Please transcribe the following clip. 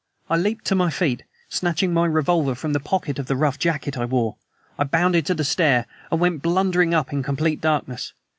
I leaped to my feet. Snatching my revolver from the pocket of the rough jacket I wore, I bounded to the stair and went blundering up in complete darkness.